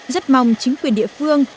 rất mong chính quyền địa phương